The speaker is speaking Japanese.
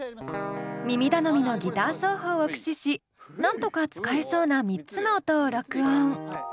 耳頼みのギター奏法を駆使しなんとか使えそうな３つの音を録音。